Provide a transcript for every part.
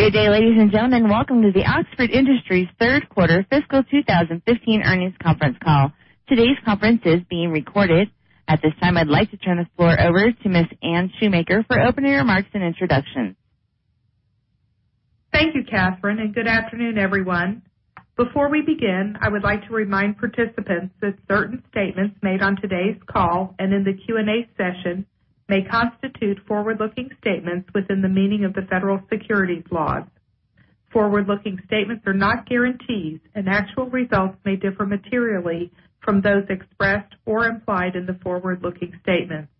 Good day, ladies and gentlemen. Welcome to the Oxford Industries third quarter fiscal 2015 earnings conference call. Today's conference is being recorded. At this time, I'd like to turn the floor over to Ms. Anne Shoemaker for opening remarks and introductions. Thank you, Catherine, and good afternoon, everyone. Before we begin, I would like to remind participants that certain statements made on today's call and in the Q&A session may constitute forward-looking statements within the meaning of the federal securities laws. Forward-looking statements are not guarantees, and actual results may differ materially from those expressed or implied in the forward-looking statements.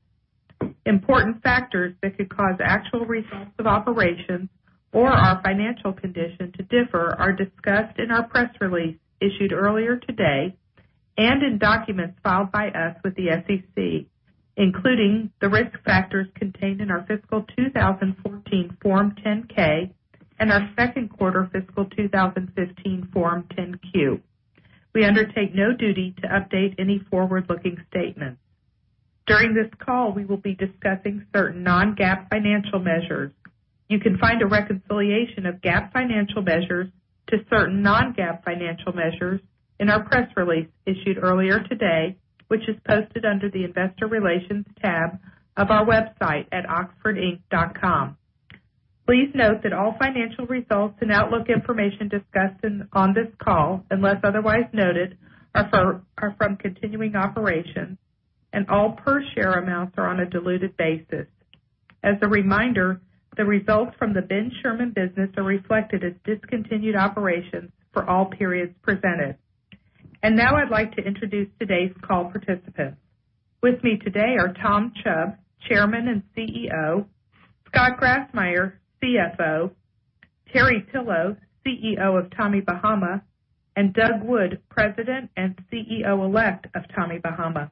Important factors that could cause actual results of operations or our financial condition to differ are discussed in our press release issued earlier today, and in documents filed by us with the SEC, including the risk factors contained in our fiscal 2014 Form 10-K and our second quarter fiscal 2015 Form 10-Q. We undertake no duty to update any forward-looking statements. During this call, we will be discussing certain non-GAAP financial measures. You can find a reconciliation of GAAP financial measures to certain non-GAAP financial measures in our press release issued earlier today, which is posted under the investor relations tab of our website at oxfordinc.com. Please note that all financial results and outlook information discussed on this call, unless otherwise noted, are from continuing operations, and all per share amounts are on a diluted basis. As a reminder, the results from the Ben Sherman business are reflected as discontinued operations for all periods presented. Now I'd like to introduce today's call participants. With me today are Tom Chubb, Chairman and CEO, Scott Grassmyer, CFO, Terry Pillow, CEO of Tommy Bahama, and Doug Wood, President and CEO elect of Tommy Bahama.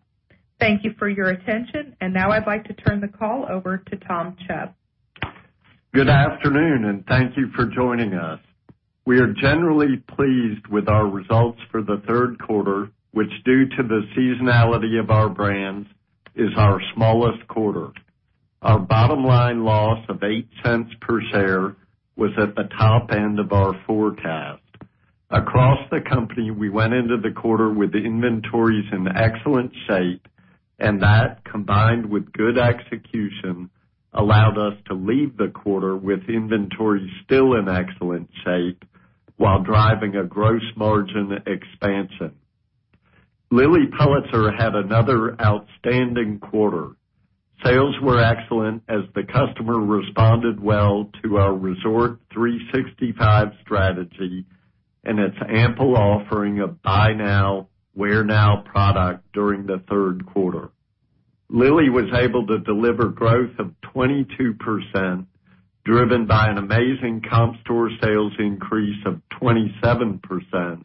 Thank you for your attention. Now I'd like to turn the call over to Tom Chubb. Good afternoon, and thank you for joining us. We are generally pleased with our results for the third quarter, which, due to the seasonality of our brands, is our smallest quarter. Our bottom line loss of $0.08 per share was at the top end of our forecast. Across the company, we went into the quarter with inventories in excellent shape, and that, combined with good execution, allowed us to leave the quarter with inventories still in excellent shape while driving a gross margin expansion. Lilly Pulitzer had another outstanding quarter. Sales were excellent as the customer responded well to our Resort 365 strategy and its ample offering of buy now, wear now product during the third quarter. Lilly was able to deliver growth of 22%, driven by an amazing comp store sales increase of 27%,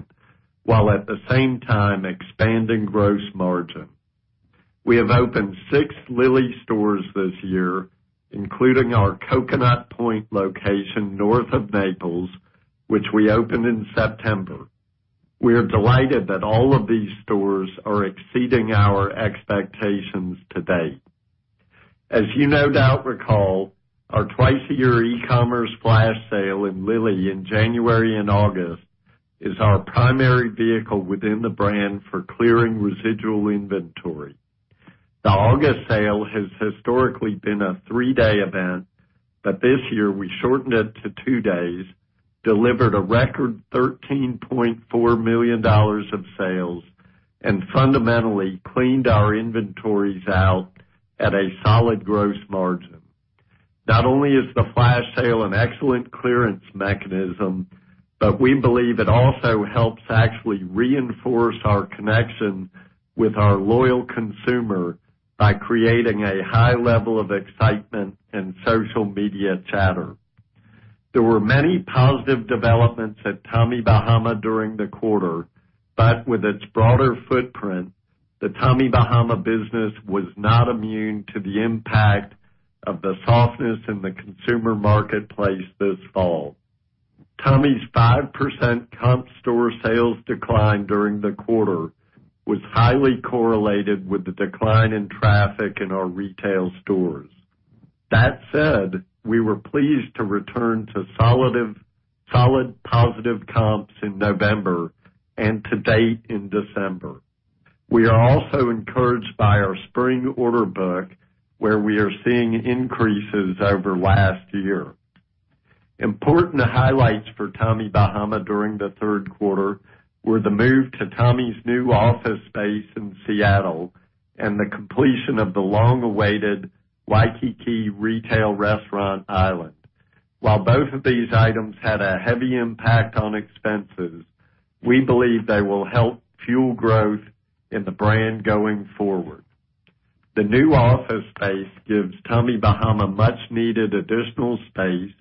while at the same time expanding gross margin. We have opened six Lilly stores this year, including our Coconut Point location north of Naples, which we opened in September. We are delighted that all of these stores are exceeding our expectations to date. As you no doubt recall, our twice-a-year e-commerce flash sale in Lilly in January and August is our primary vehicle within the brand for clearing residual inventory. The August sale has historically been a three-day event, but this year we shortened it to two days, delivered a record $13.4 million of sales, and fundamentally cleaned our inventories out at a solid gross margin. Not only is the flash sale an excellent clearance mechanism, but we believe it also helps actually reinforce our connection with our loyal consumer by creating a high level of excitement and social media chatter. There were many positive developments at Tommy Bahama during the quarter, but with its broader footprint, the Tommy Bahama business was not immune to the impact of the softness in the consumer marketplace this fall. Tommy's 5% comp store sales decline during the quarter was highly correlated with the decline in traffic in our retail stores. That said, we were pleased to return to solid positive comps in November and to date in December. We are also encouraged by our spring order book, where we are seeing increases over last year. Important highlights for Tommy Bahama during the third quarter were the move to Tommy's new office space in Seattle and the completion of the long-awaited Waikiki Retail Restaurant Island. While both of these items had a heavy impact on expenses, we believe they will help fuel growth in the brand going forward. The new office space gives Tommy Bahama much needed additional space,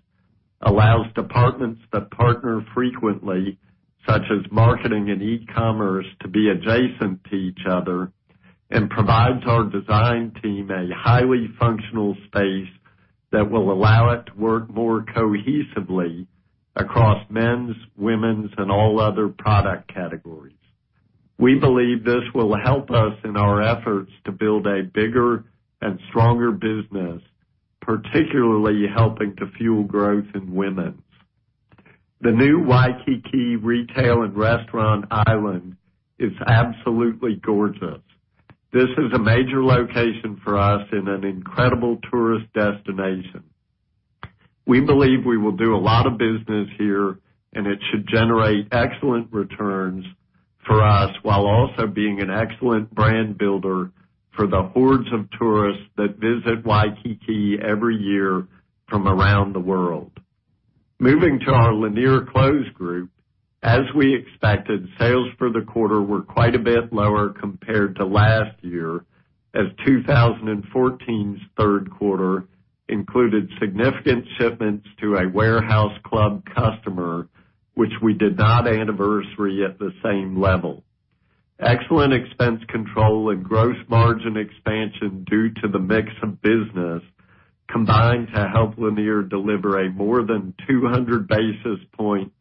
allows departments that partner frequently, such as marketing and e-commerce, to be adjacent to each other, and provides our design team a highly functional space that will allow it to work more cohesively across men's, women's, and all other product categories. We believe this will help us in our efforts to build a bigger and stronger business, particularly helping to fuel growth in women's. The new Waikiki Retail Restaurant Island is absolutely gorgeous. This is a major location for us in an incredible tourist destination. We believe we will do a lot of business here, and it should generate excellent returns for us while also being an excellent brand builder for the hordes of tourists that visit Waikiki every year from around the world. Moving to our Lanier Clothes group. As we expected, sales for the quarter were quite a bit lower compared to last year, as 2014's third quarter included significant shipments to a warehouse club customer which we did not anniversary at the same level. Excellent expense control and gross margin expansion due to the mix of business combined to help Lanier deliver a more than 200 basis point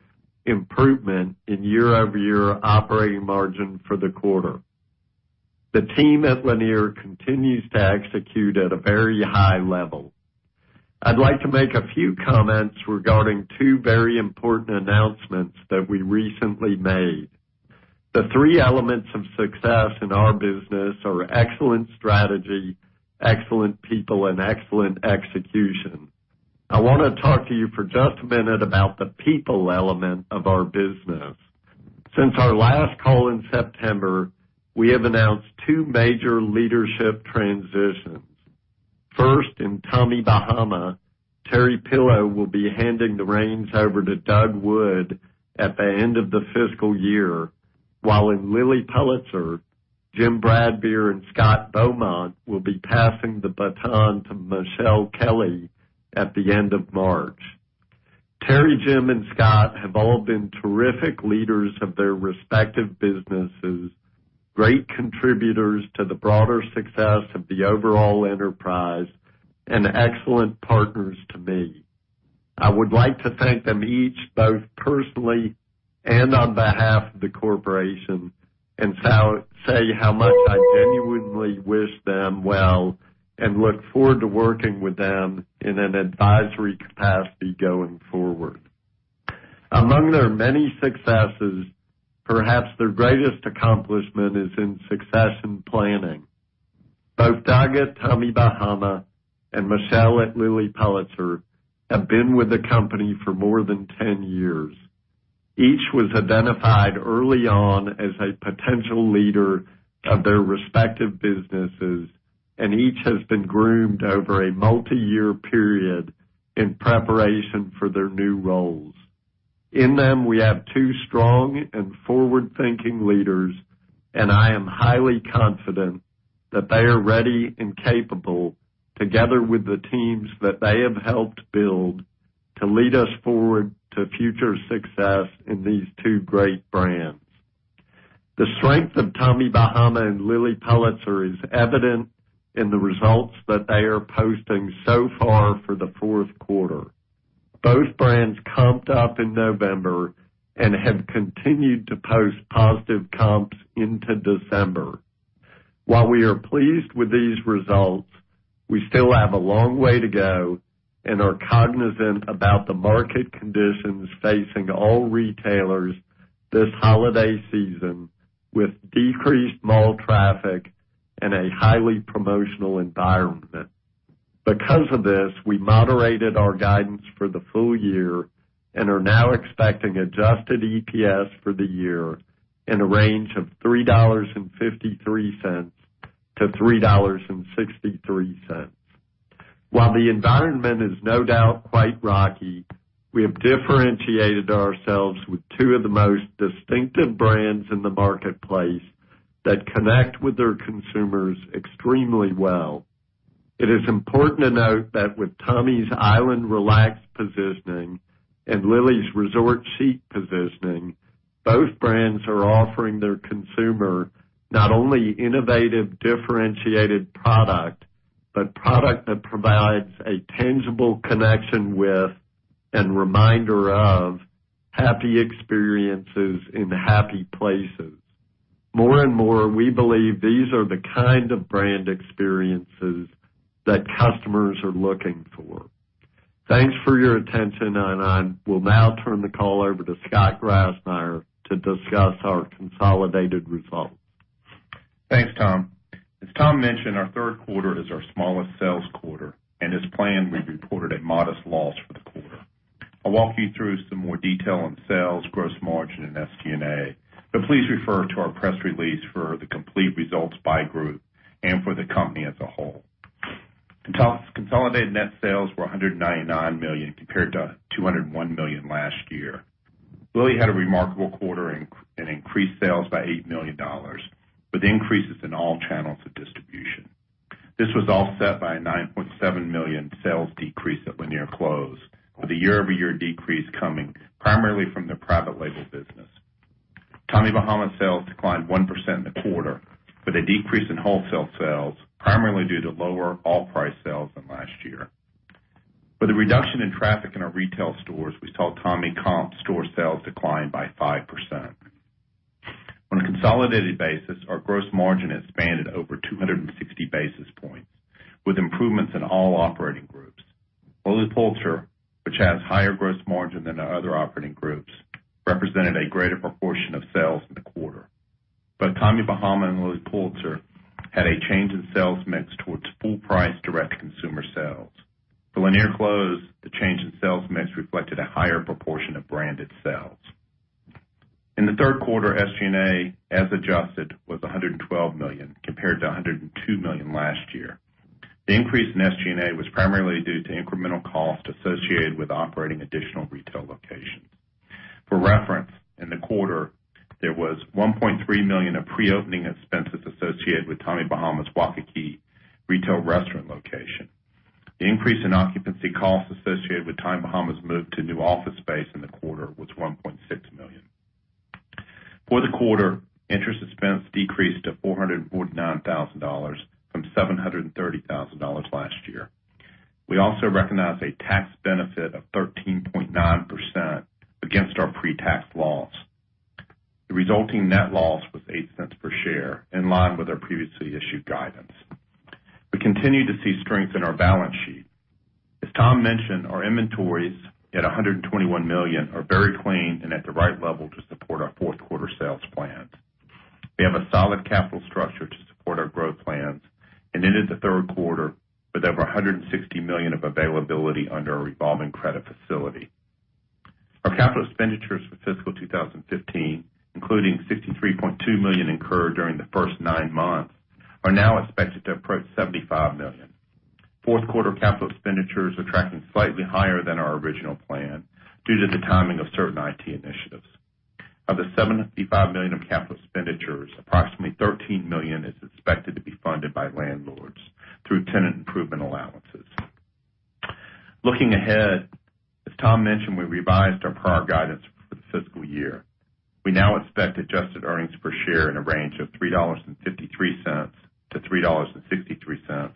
improvement in year-over-year operating margin for the quarter. The team at Lanier continues to execute at a very high level. I'd like to make a few comments regarding two very important announcements that we recently made. The three elements of success in our business are excellent strategy, excellent people, and excellent execution. I want to talk to you for just a minute about the people element of our business. Since our last call in September, we have announced two major leadership transitions. First, in Tommy Bahama, Terry Pillow will be handing the reins over to Doug Wood at the end of the fiscal year. While in Lilly Pulitzer, Jim Bradbeer and Scott Beaumont will be passing the baton to Michelle Kelly at the end of March. Terry, Jim, and Scott have all been terrific leaders of their respective businesses, great contributors to the broader success of the overall enterprise, and excellent partners to me. I would like to thank them each, both personally and on behalf of the corporation, and say how much I genuinely wish them well and look forward to working with them in an advisory capacity going forward. Among their many successes, perhaps their greatest accomplishment is in succession planning. Both Doug at Tommy Bahama and Michelle at Lilly Pulitzer have been with the company for more than 10 years. Each was identified early on as a potential leader of their respective businesses, and each has been groomed over a multi-year period in preparation for their new roles. In them, we have two strong and forward-thinking leaders, and I am highly confident that they are ready and capable, together with the teams that they have helped build, to lead us forward to future success in these two great brands. The strength of Tommy Bahama and Lilly Pulitzer is evident in the results that they are posting so far for the fourth quarter. Both brands comped up in November and have continued to post positive comps into December. While we are pleased with these results, we still have a long way to go and are cognizant about the market conditions facing all retailers this holiday season, with decreased mall traffic and a highly promotional environment. Because of this, we moderated our guidance for the full year and are now expecting adjusted EPS for the year in a range of $3.53-$3.63. While the environment is no doubt quite rocky, we have differentiated ourselves with two of the most distinctive brands in the marketplace that connect with their consumers extremely well. It is important to note that with Tommy's island relaxed positioning and Lilly's resort chic positioning, both brands are offering their consumer not only innovative, differentiated product, but product that provides a tangible connection with and reminder of happy experiences in happy places. More and more, we believe these are the kind of brand experiences that customers are looking for. Thanks for your attention, and I will now turn the call over to Scott Grassmyer to discuss our consolidated results. Thanks, Tom. As Tom mentioned, our third quarter is our smallest sales quarter. As planned, we reported a modest loss for the quarter. I'll walk you through some more detail on sales, gross margin, and SG&A. Please refer to our press release for the complete results by group and for the company as a whole. Consolidated net sales were $199 million compared to $201 million last year. Lilly had a remarkable quarter and increased sales by $8 million, with increases in all channels of distribution. This was offset by a $9.7 million sales decrease at Lanier Clothes, with the year-over-year decrease coming primarily from the private label business. Tommy Bahama sales declined 1% in the quarter, with a decrease in wholesale sales primarily due to lower off-price sales than last year. With a reduction in traffic in our retail stores, we saw Tommy comp store sales decline by 5%. On a consolidated basis, our gross margin expanded over 260 basis points, with improvements in all operating groups. Lilly Pulitzer, which has higher gross margin than our other operating groups, represented a greater proportion of sales in the quarter. Both Tommy Bahama and Lilly Pulitzer had a change in sales mix towards full price direct-to-consumer sales. For Lanier Clothes, the change in sales mix reflected a higher proportion of branded sales. In the third quarter, SG&A, as adjusted, was $112 million, compared to $102 million last year. The increase in SG&A was primarily due to incremental costs associated with operating additional retail locations. For reference, in the quarter, there was $1.3 million of pre-opening expenses associated with Tommy Bahama's Waikiki retail restaurant location. The increase in occupancy costs associated with Tommy Bahama's move to new office space in the quarter was $1.6 million. For the quarter, interest expense decreased to $449,000 from $730,000 last year. We also recognized a tax benefit of 13.9% against our pre-tax loss. The resulting net loss was $0.08 per share, in line with our previously issued guidance. We continue to see strength in our balance sheet. As Tom mentioned, our inventories, at $121 million, are very clean and at the right level to support our fourth quarter sales plans. We have a solid capital structure to support our growth plans, and ended the third quarter with over $160 million of availability under our revolving credit facility. Our capital expenditures for fiscal 2015, including $63.2 million incurred during the first nine months, are now expected to approach $75 million. Fourth quarter capital expenditures are tracking slightly higher than our original plan due to the timing of certain IT initiatives. Of the $75 million of capital expenditures, approximately $13 million is expected to be funded by landlords through tenant improvement allowances. Looking ahead, as Tom mentioned, we revised our prior guidance for the fiscal year. We now expect adjusted earnings per share in a range of $3.53 to $3.63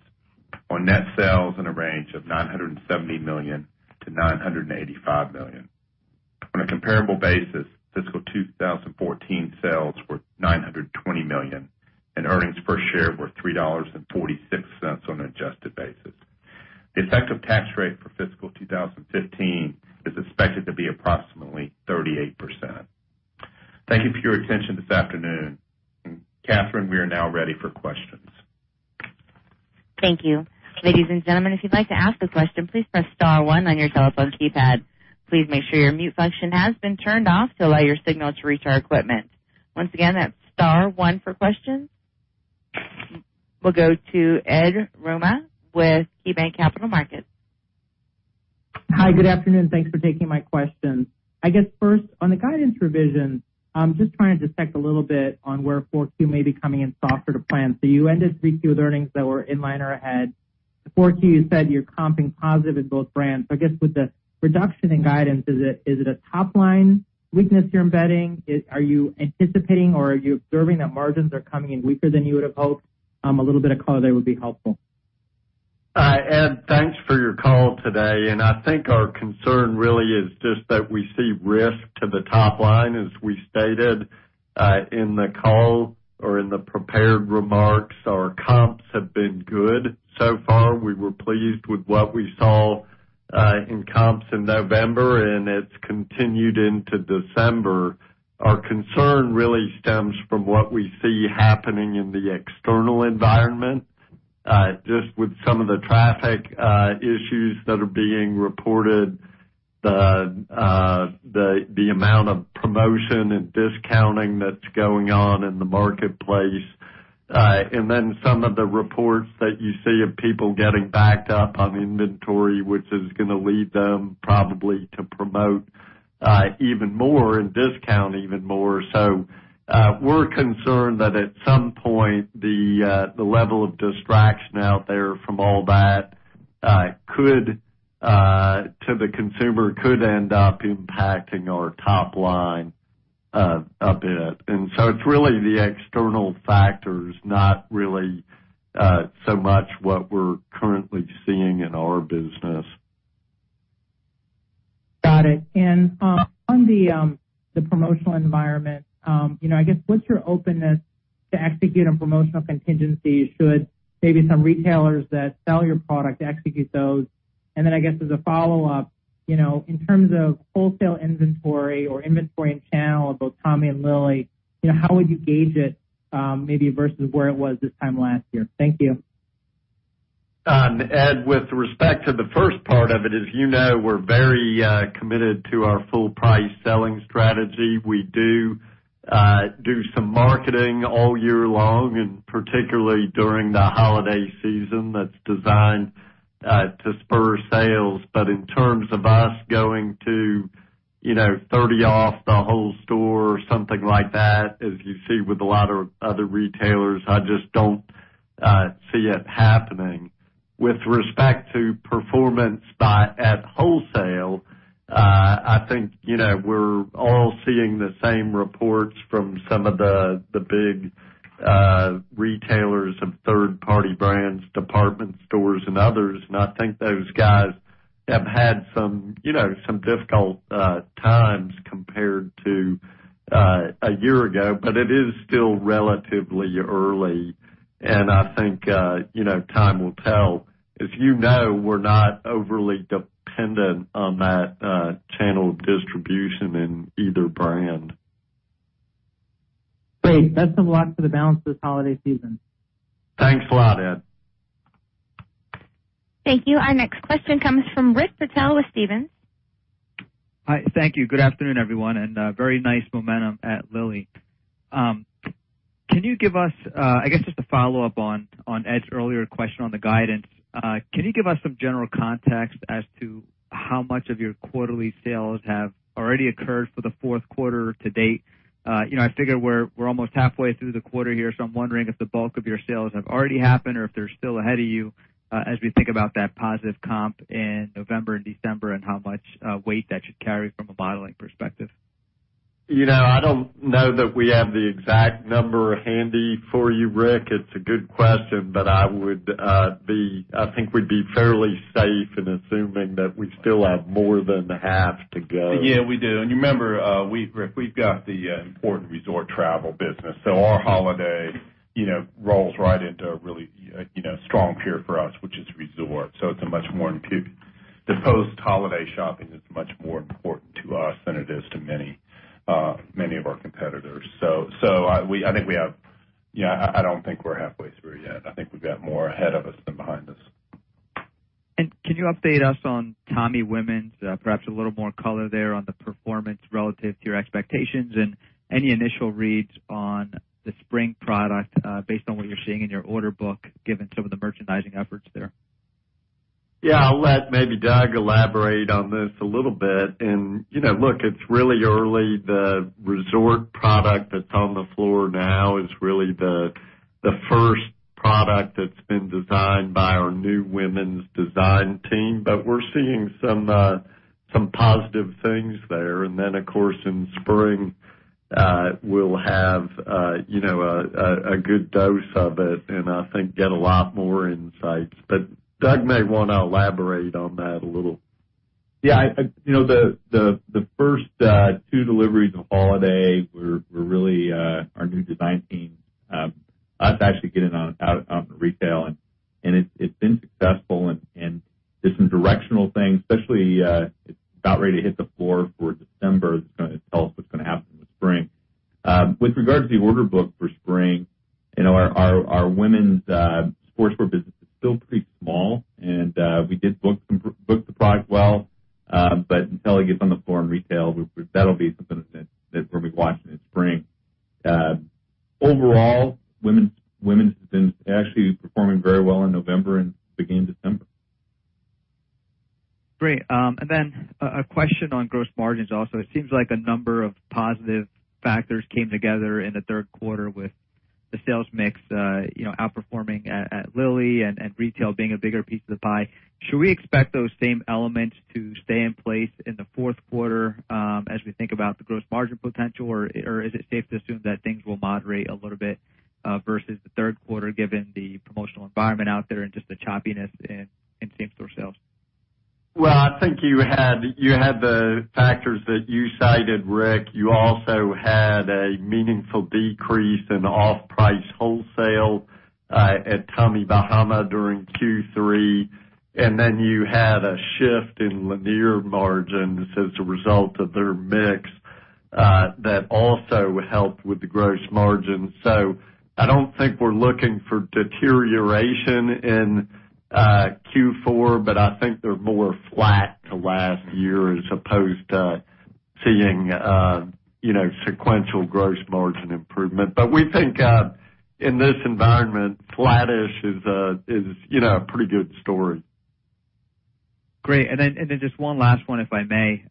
on net sales in a range of $970 million to $985 million. On a comparable basis, fiscal 2014 sales were $920 million and earnings per share were $3.46 on an adjusted basis. The effective tax rate for fiscal 2015 is expected to be approximately 38%. Thank you for your attention this afternoon. Catherine, we are now ready for questions. Thank you. Ladies and gentlemen, if you'd like to ask a question, please press *1 on your telephone keypad. Please make sure your mute function has been turned off to allow your signal to reach our equipment. Once again, that's *1 for questions. We'll go to Ed Yruma with KeyBanc Capital Markets. Hi, good afternoon. Thanks for taking my questions. I guess first, on the guidance revision, I'm just trying to dissect a little bit on where Q4 may be coming in softer to plan. You ended Q3 with earnings that were in line or ahead. In Q4, you said you're comping positive in both brands. I guess with the reduction in guidance, is it a top-line weakness you're embedding? Are you anticipating or are you observing that margins are coming in weaker than you would've hoped? A little bit of color there would be helpful. Ed, thanks for your call today. I think our concern really is just that we see risk to the top line. As we stated in the call or in the prepared remarks, our comps have been good so far. We were pleased with what we saw in comps in November, and it's continued into December. Our concern really stems from what we see happening in the external environment. Just with some of the traffic issues that are being reported, the amount of promotion and discounting that's going on in the marketplace. Some of the reports that you see of people getting backed up on inventory, which is going to lead them probably to promote even more and discount even more. We're concerned that at some point, the level of distraction out there from all that to the consumer could end up impacting our top line a bit. It's really the external factors, not really so much what we're currently seeing in our business. Got it. On the promotional environment, I guess what's your openness to execute on promotional contingencies should maybe some retailers that sell your product execute those? I guess as a follow-up, in terms of wholesale inventory or inventory in channel of both Tommy and Lilly, how would you gauge it maybe versus where it was this time last year? Thank you. Ed, with respect to the first part of it, as you know, we're very committed to our full price selling strategy. We do some marketing all year long, and particularly during the holiday season, that's designed to spur sales. In terms of us going to 30 off the whole store or something like that, as you see with a lot of other retailers, I just don't see it happening. With respect to performance at wholesale I think we're all seeing the same reports from some of the big retailers of third-party brands, department stores, and others. I think those guys have had some difficult times compared to a year ago, but it is still relatively early and I think time will tell. As you know, we're not overly dependent on that channel of distribution in either brand. Great. Best of luck for the balance of this holiday season. Thanks a lot, Ed. Thank you. Our next question comes from Rick Patel with Stephens. Hi. Thank you. Good afternoon, everyone, very nice momentum at Lilly. I guess just a follow-up on Ed's earlier question on the guidance. Can you give us some general context as to how much of your quarterly sales have already occurred for the fourth quarter to date? I figure we're almost halfway through the quarter here, so I'm wondering if the bulk of your sales have already happened or if they're still ahead of you as we think about that positive comp in November and December and how much weight that should carry from a modeling perspective. I don't know that we have the exact number handy for you, Rick. It's a good question, I think we'd be fairly safe in assuming that we still have more than half to go. Yeah, we do. Remember, Rick, we've got the important resort travel business, our holiday rolls right into a really strong period for us, which is resort. The post-holiday shopping is much more important to us than it is to many of our competitors. I don't think we're halfway through yet. I think we've got more ahead of us than behind us. Can you update us on Tommy Women's perhaps a little more color there on the performance relative to your expectations and any initial reads on the spring product based on what you're seeing in your order book, given some of the merchandising efforts there? Yeah, I'll let maybe Doug elaborate on this a little bit. Look, it's really early. The resort product that's on the floor now is really the first product that's been designed by our new women's design team. We're seeing some positive things there. Then, of course, in spring, we'll have a good dose of it and I think get a lot more insights. Doug may want to elaborate on that a little. Yeah. The first two deliveries of holiday were really our new design team us actually getting out in retail and it's been successful and just some directional things, especially it's about ready to hit the floor for December. It's going to tell us what's going to happen with spring. With regard to the order book for spring, our women's sportswear business is still pretty small, and we did book the product well. Until it gets on the floor in retail, that'll be something that we'll be watching in spring. Overall, women's has been actually performing very well in November and beginning December. Great. Then a question on gross margins also. It seems like a number of positive factors came together in the third quarter with the sales mix outperforming at Lilly and retail being a bigger piece of the pie. Should we expect those same elements to stay in place in the fourth quarter as we think about the gross margin potential? Or is it safe to assume that things will moderate a little bit versus the third quarter given the promotional environment out there and just the choppiness in same-store sales? I think you had the factors that you cited, Rick. You also had a meaningful decrease in off-price wholesale at Tommy Bahama during Q3. You had a shift in Lanier margins as a result of their mix that also helped with the gross margins. I don't think we're looking for deterioration in Q4, but I think they're more flat to last year as opposed to seeing sequential gross margin improvement. We think in this environment, flattish is a pretty good story. Great. Just one last one, if I may.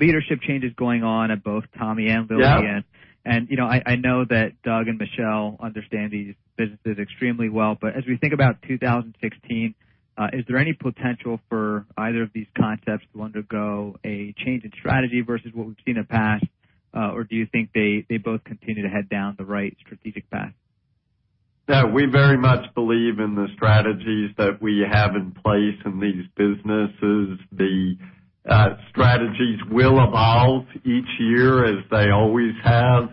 Leadership changes going on at both Tommy and Lilly. Yeah I know that Doug and Michelle understand these businesses extremely well. As we think about 2016, is there any potential for either of these concepts to undergo a change in strategy versus what we've seen in the past? Do you think they both continue to head down the right strategic path? No. We very much believe in the strategies that we have in place in these businesses. The strategies will evolve each year as they always have.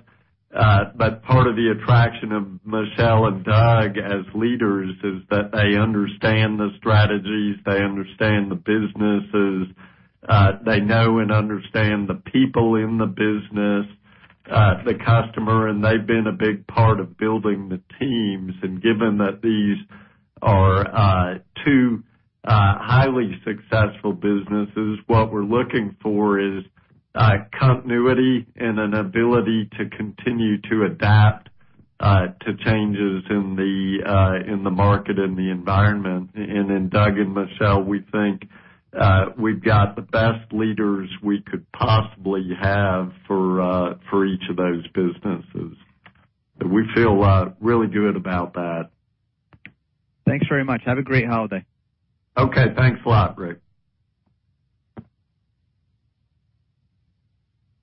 Part of the attraction of Michelle and Doug as leaders is that they understand the strategies, they understand the businesses, they know and understand the people in the business, the customer, and they've been a big part of building the teams. Given that these are two highly successful businesses, what we're looking for is continuity and an ability to continue to adapt to changes in the market and the environment. In Doug and Michelle, we think we've got the best leaders we could possibly have for each of those businesses. We feel really good about that. Thanks very much. Have a great holiday. Okay. Thanks a lot, Rick.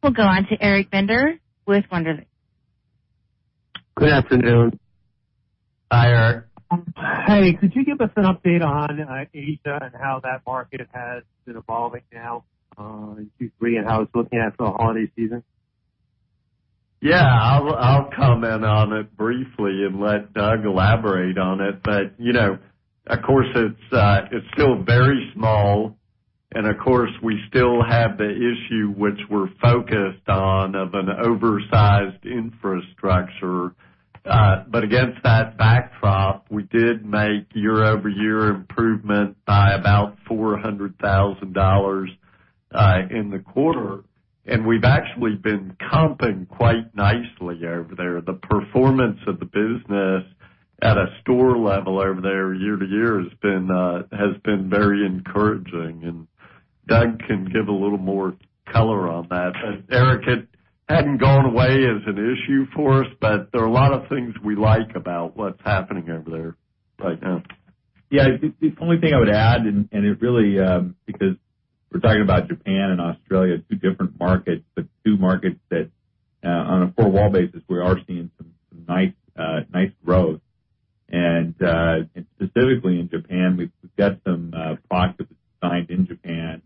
We'll go on to Eric Beder with Wunderlich. Good afternoon. Hi, Eric. Hey, could you give us an update on Asia and how that market has been evolving now in Q3, how it's looking as the holiday season? I'll comment on it briefly and let Doug elaborate on it. Of course, it's still very small and, of course, we still have the issue which we're focused on, of an oversized infrastructure. Against that backdrop, we did make year-over-year improvement by about $400,000 in the quarter, and we've actually been comping quite nicely over there. The performance of the business at a store level over there year-to-year has been very encouraging, and Doug can give a little more color on that. Eric, it hadn't gone away as an issue for us, but there are a lot of things we like about what's happening over there right now. The only thing I would add, because we're talking about Japan and Australia, two different markets, but two markets that, on a four wall basis, we are seeing some nice growth. Specifically in Japan, we've got some product that was designed in Japan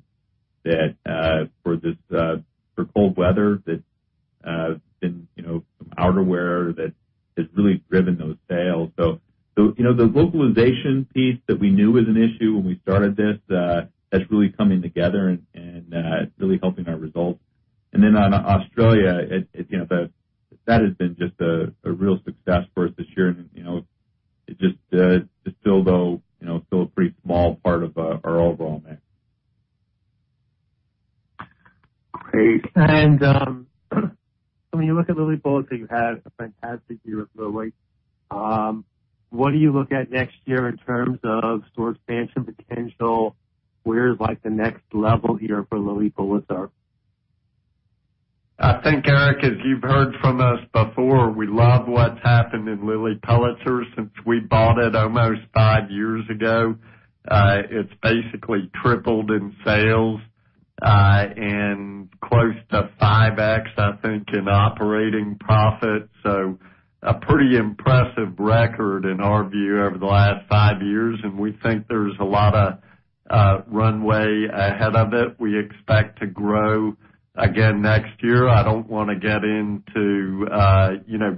for cold weather, some outerwear that has really driven those sales. The localization piece that we knew was an issue when we started this, that's really coming together and really helping our results. On Australia, that has been just a real success for us this year, and it's still though a pretty small part of our overall mix. When you look at Lilly Pulitzer, you had a fantastic year with Lilly. What do you look at next year in terms of store expansion potential? Where is the next level here for Lilly Pulitzer? I think, Eric, as you've heard from us before, we love what's happened in Lilly Pulitzer since we bought it almost five years ago. It's basically tripled in sales, and close to 5x, I think, in operating profit. A pretty impressive record in our view over the last five years, and we think there's a lot of runway ahead of it. We expect to grow again next year. I don't want to get into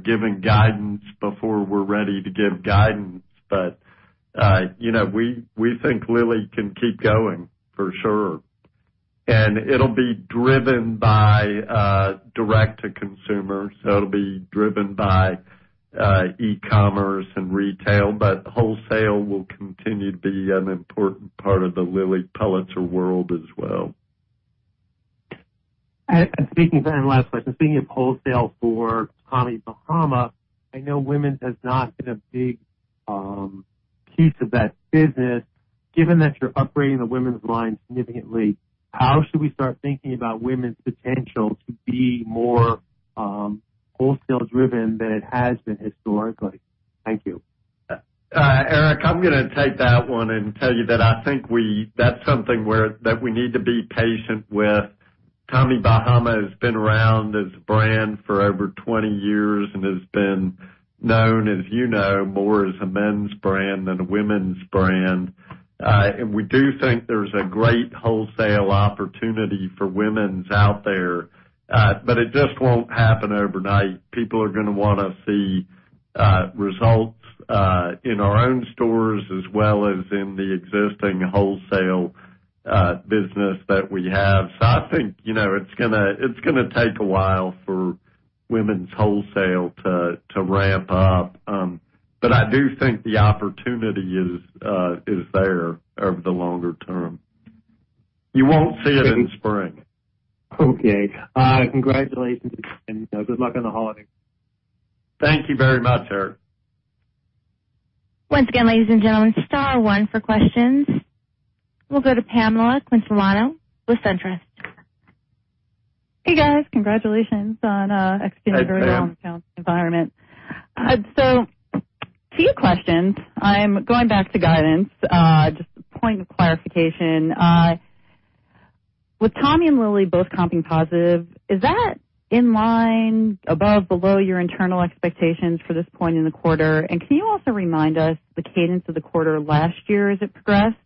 giving guidance before we're ready to give guidance, but we think Lilly can keep going for sure. It'll be driven by direct to consumer, so it'll be driven by e-commerce and retail, but wholesale will continue to be an important part of the Lilly Pulitzer world as well. Last question. Speaking of wholesale for Tommy Bahama, I know women's has not been a big piece of that business. Given that you're upgrading the women's line significantly, how should we start thinking about women's potential to be more wholesale driven than it has been historically? Thank you. Eric, I'm going to take that one and tell you that I think that's something that we need to be patient with. Tommy Bahama has been around as a brand for over 20 years and has been known, as you know, more as a men's brand than a women's brand. It just won't happen overnight. People are going to want to see results in our own stores as well as in the existing wholesale business that we have. I think it's going to take a while for women's wholesale to ramp up. I do think the opportunity is there over the longer term. You won't see it in spring. Okay. Congratulations, and good luck on the holiday. Thank you very much, Eric. Once again, ladies and gentlemen, star one for questions. We'll go to Pamela Quintiliano with SunTrust. Hey, guys. Congratulations on executing very well in the accounting environment. A few questions. I'm going back to guidance. Just a point of clarification. With Tommy and Lilly both comping positive, is that in line above/below your internal expectations for this point in the quarter? Can you also remind us the cadence of the quarter last year as it progressed?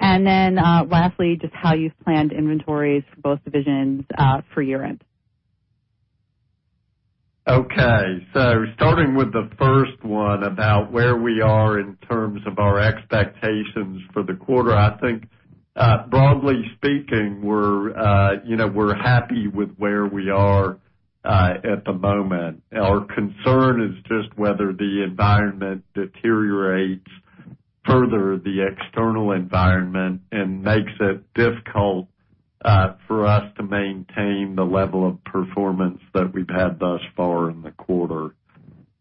Lastly, just how you've planned inventories for both divisions for year-end. Okay. Starting with the first one about where we are in terms of our expectations for the quarter, I think broadly speaking, we're happy with where we are at the moment. Our concern is just whether the environment deteriorates further, the external environment, and makes it difficult for us to maintain the level of performance that we've had thus far in the quarter.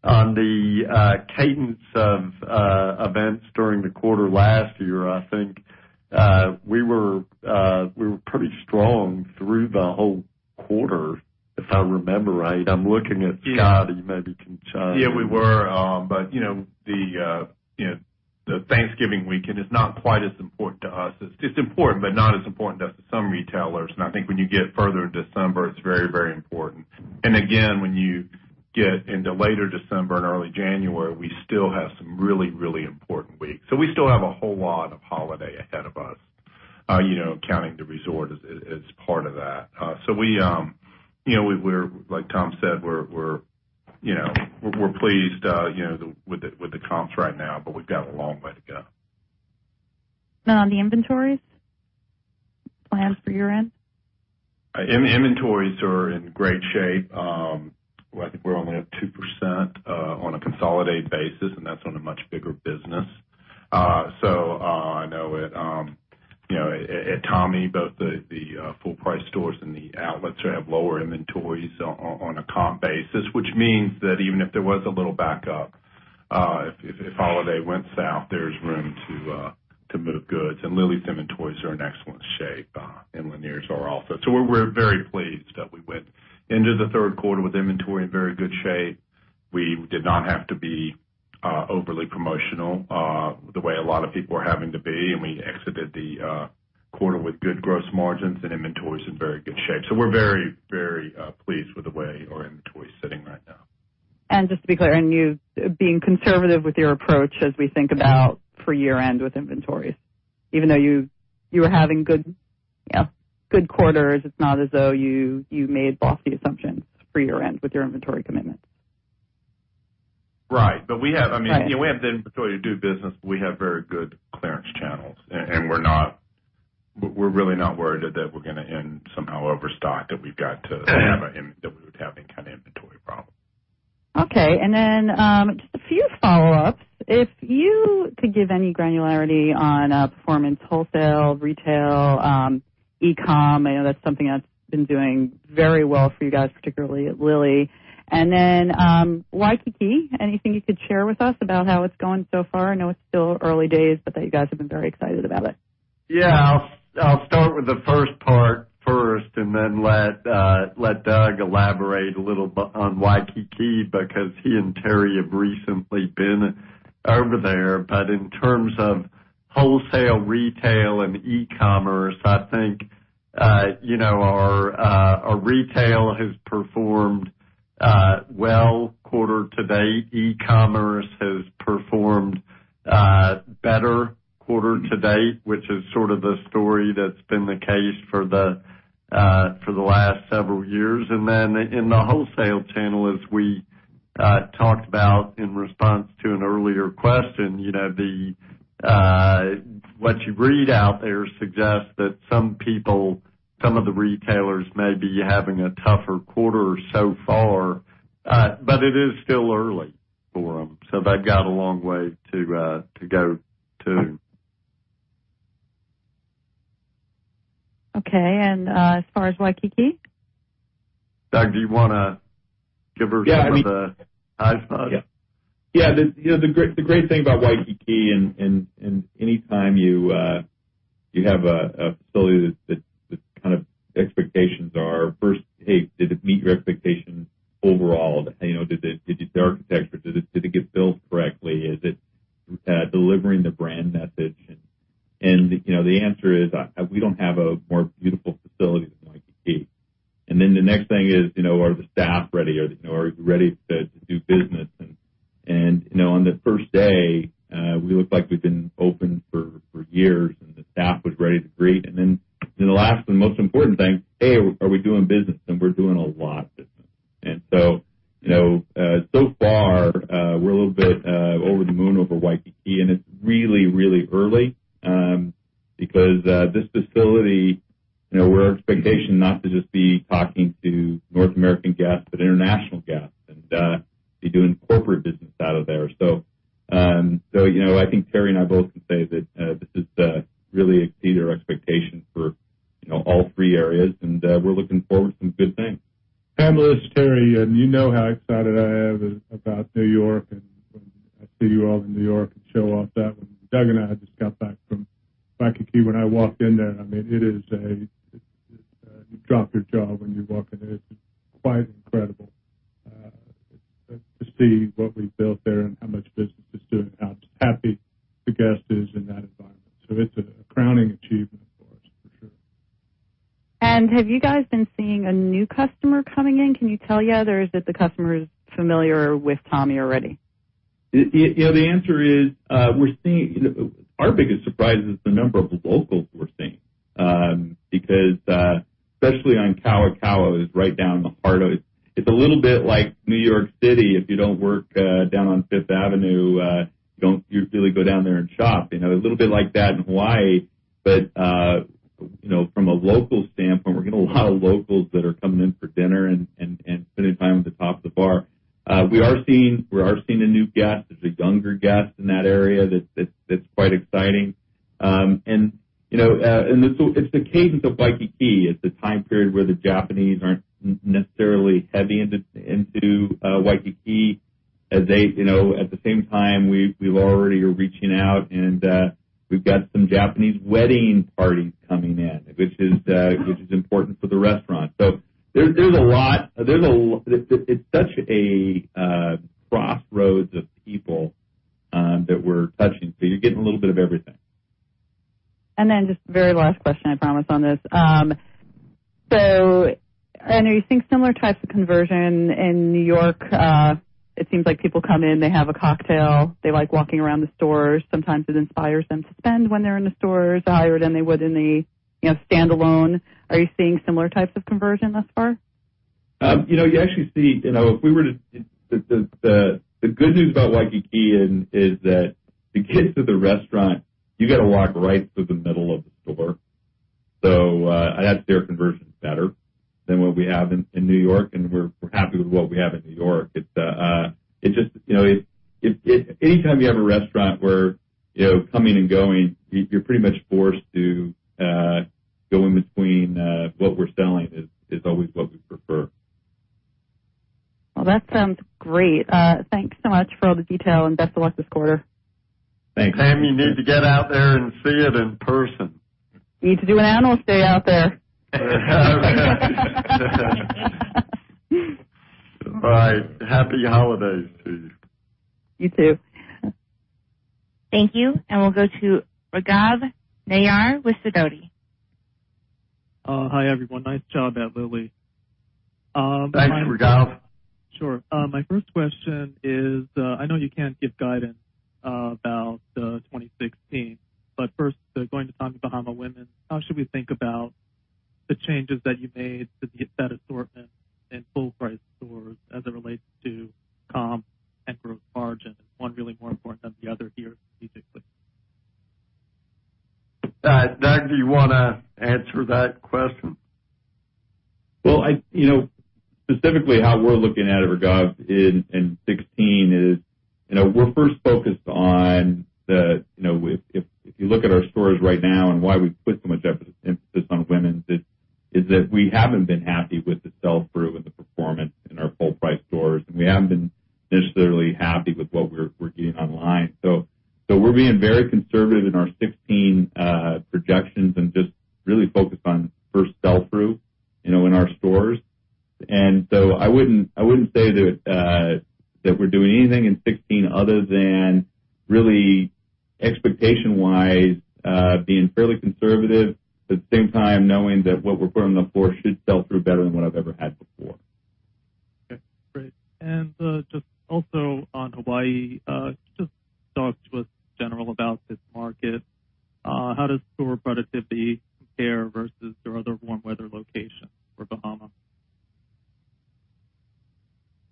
On the cadence of events during the quarter last year, I think we were pretty strong through the whole quarter, if I remember right. I'm looking at Scott. He maybe can chime in. Yeah, we were. The Thanksgiving weekend is not quite as important to us. It's important, but not as important to us as some retailers. I think when you get further into December, it's very important. Again, when you get into later December and early January, we still have some really important weeks. We still have a whole lot of holiday ahead of us, counting the resort as part of that. Like Tom said, we're pleased with the comps right now, but we've got a long way to go. On the inventories, plans for year-end? Inventories are in great shape. I think we're only at 2% on a consolidated basis, and that's on a much bigger business. I know at Tommy, both the full-price stores and the outlets have lower inventories on a comp basis, which means that even if there was a little backup, if holiday went south, there's room to move goods. Lilly's inventories are in excellent shape, and Lanier's are also. We're very pleased that we went into the third quarter with inventory in very good shape. We did not have to be overly promotional the way a lot of people are having to be. We exited the quarter with good gross margins and inventories in very good shape. We're very pleased with the way our inventory is sitting right now. Just to be clear, you being conservative with your approach as we think about for year-end with inventories, even though you were having good quarters, it's not as though you made lofty assumptions for year-end with your inventory commitments. Right. We have the inventory to do business, we have very good clearance channels, we're really not worried that we're going to end somehow overstock, that we would have any kind of inventory problem. Okay. Just a few follow-ups. If you could give any granularity on performance wholesale, retail, e-com, I know that's something that's been doing very well for you guys, particularly at Lilly. Waikiki, anything you could share with us about how it's going so far? I know it's still early days, that you guys have been very excited about it. Yeah. I'll start with the first part first and then let Doug elaborate a little bit on Waikiki, because he and Terry have recently been over there. In terms of wholesale, retail, and e-commerce, I think our retail has performed well quarter to date. E-commerce has performed better quarter to date, which is sort of the story that's been the case for the last several years. In the wholesale channel, as we talked about in response to an earlier question, what you read out there suggests that some people, some of the retailers may be having a tougher quarter so far. It is still early for them. They've got a long way to go too. Okay. As far as Waikiki? Doug, do you want to give her some of the highs? The great thing about Waikiki any time you have a facility that the expectations are first, hey, did it meet your expectations overall? Did the architecture, did it get built correctly? Is it delivering the brand message? The answer is, we don't have a more beautiful facility than Waikiki. The next thing is, are the staff ready? Are they ready to do business? On the first day, we looked like we'd been open for years, and the staff was ready to greet. The last and most important thing, hey, are we doing business? We're doing a lot of business. So far, we're a little bit over the moon over Waikiki, and it's really early, because this facility, our expectation not to just be talking to North American guests, but international guests, and be doing corporate business out of there. I think Terry and I both can say that this has really exceeded our expectations for all three areas, and we're looking forward to some good things. Pam, this is Terry, and you know how excited I am about New York, and when I see you all in New York and show off that one. Doug and I just got back from Waikiki. You drop your jaw when you walk in there. It's quite incredible to see what we've built there and how much business it's doing, how happy the guest is in that environment. It's a crowning achievement for us, for sure. Have you guys been seeing a new customer coming in? Can you tell yet, or is it the customer is familiar with Tommy already? The answer is, our biggest surprise is the number of locals we're seeing. Because, especially on Kalakaua, is right down in the heart of-- It's a little bit like New York City. If you don't work down on Fifth Avenue, you don't usually go down there and shop. A little bit like that in Hawaii. From a local standpoint, we're getting a lot of locals that are coming in for dinner and spending time at the top of the bar. We are seeing a new guest. There's a younger guest in that area that's quite exciting. It's the cadence of Waikiki. It's a time period where the Japanese aren't necessarily heavy into Waikiki At the same time, we already are reaching out and we've got some Japanese wedding parties coming in, which is important for the restaurant. There's a lot. It's such a crossroads of people that we're touching, you're getting a little bit of everything. Just the very last question, I promise on this. I know you're seeing similar types of conversion in New York. It seems like people come in, they have a cocktail, they like walking around the stores. Sometimes it inspires them to spend when they're in the stores higher than they would in a standalone. Are you seeing similar types of conversion thus far? You actually see, the good news about Waikiki is that to get to the restaurant, you got to walk right through the middle of the store. I'd say our conversion's better than what we have in New York, and we're happy with what we have in New York. Anytime you have a restaurant where coming and going, you're pretty much forced to go in between what we're selling is always what we prefer. Well, that sounds great. Thanks so much for all the detail and best of luck this quarter. Thanks. Pam, you need to get out there and see it in person. You need to do an analyst day out there. Bye. Happy holidays to you. You too. Thank you. We'll go to Raghav Nayar with Sidoti. Hi, everyone. Nice job at Lilly. Thanks, Raghav. Sure. My first question is, I know you can't give guidance about 2016, first, going to Tommy Bahama women, how should we think about the changes that you made to get that assortment in full price stores as it relates to comp and gross margin? Is one really more important than the other here strategically? Doug, do you want to answer that question? Well, specifically how we're looking at it, Raghav, in 2016, if you look at our stores right now and why we've put so much emphasis on women's, it's that we haven't been happy with the sell-through and the performance in our full price stores, and we haven't been necessarily happy with what we're getting online. We're being very conservative in our 2016 projections and just really focused on first sell-through, in our stores. I wouldn't say that we're doing anything in 2016 other than really expectation-wise, being fairly conservative. At the same time, knowing that what we're putting on the floor should sell through better than what I've ever had before. Okay, great. Just also on Hawaii, just talk to us in general about this market. How does store productivity compare versus your other warm weather locations for Bahama?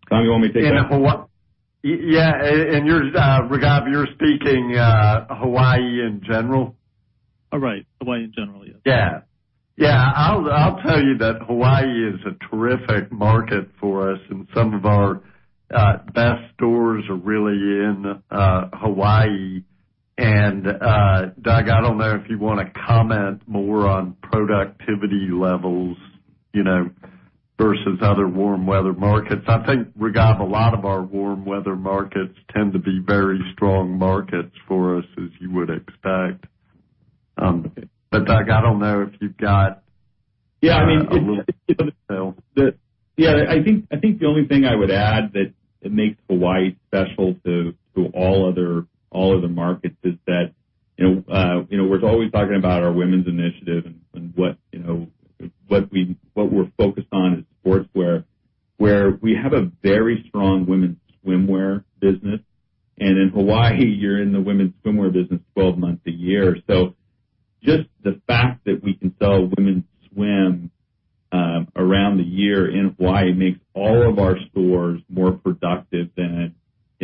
Tom, you want me to take that? Yeah. Raghav, you're speaking Hawaii in general? Right. Hawaii in general, yes. Yeah. I'll tell you that Hawaii is a terrific market for us, and some of our best stores are really in Hawaii. Doug, I don't know if you want to comment more on productivity levels versus other warm weather markets. I think, Raghav, a lot of our warm weather markets tend to be very strong markets for us, as you would expect. Doug, I don't know if you've got a little detail. Yeah, I think the only thing I would add that makes Hawaii special to all other markets is that, we're always talking about our women's initiative and what we're focused on is sportswear, where we have a very strong women's swimwear business. In Hawaii, you're in the women's swimwear business 12 months a year. Just the fact that we can sell women's swim around the year in Hawaii makes all of our stores more productive than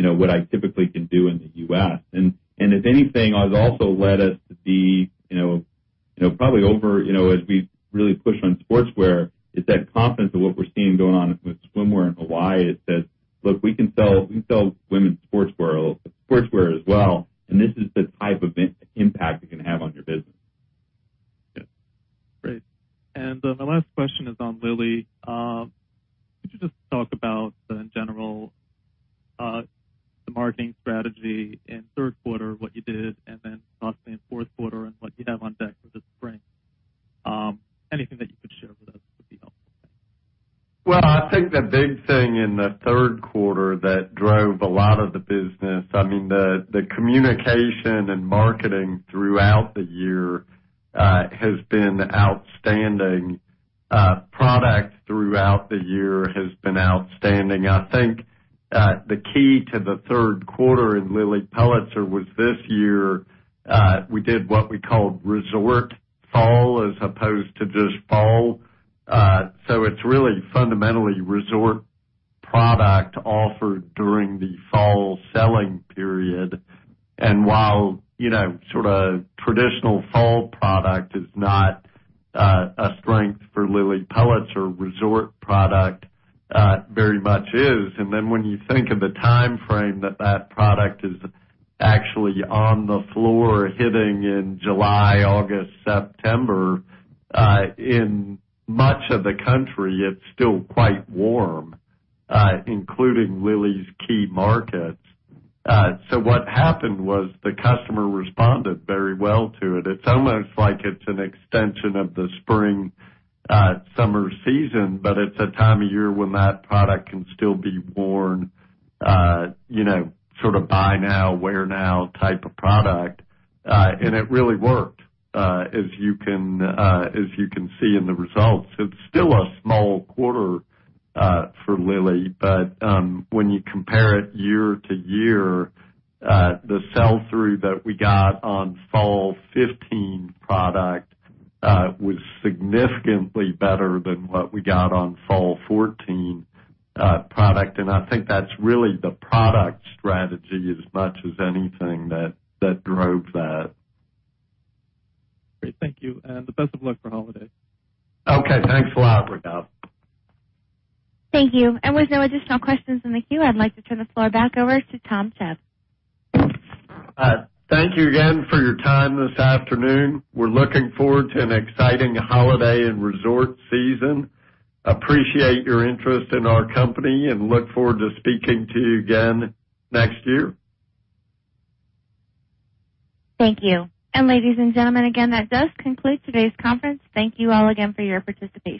what I typically can do in the U.S. If anything, has also led us to be probably over, as we really push on sportswear, it's that confidence of what we're seeing going on with swimwear in Hawaii. It says, look, we can sell women's sportswear as well, and this is the type of impact it can have on your business. Yeah. Great. My last question is on Lilly. Could you just talk about, in general, the marketing strategy in third quarter, what you did, and then possibly in fourth quarter and what you have on deck for the spring? Anything that you could share with us would be helpful. Thanks. Well, I think the big thing in the third quarter that drove a lot of the business, I mean, the communication and marketing throughout the year has been outstanding. Product throughout the year has been outstanding. I think, the key to the third quarter in Lilly Pulitzer was this year, we did what we called Resort Fall, as opposed to just fall. It's really fundamentally resort product offered during the fall selling period. While traditional fall product is not a strength for Lilly Pulitzer, resort product very much is. Then when you think of the timeframe that product is actually on the floor hitting in July, August, September, in much of the country, it's still quite warm, including Lilly's key markets. What happened was the customer responded very well to it. It's almost like it's an extension of the spring, summer season, but it's a time of year when that product can still be worn, sort of buy now, wear now type of product. It really worked, as you can see in the results. It's still a small quarter for Lilly, but when you compare it year to year, the sell-through that we got on fall 2015 product, was significantly better than what we got on fall 2014 product, I think that's really the product strategy as much as anything that drove that. Great. Thank you. The best of luck for holidays. Okay. Thanks a lot, Raghav. Thank you. With no additional questions in the queue, I'd like to turn the floor back over to Tom Chubb. Thank you again for your time this afternoon. We're looking forward to an exciting holiday and resort season. Appreciate your interest in our company and look forward to speaking to you again next year. Thank you. Ladies and gentlemen, again, that does conclude today's conference. Thank you all again for your participation.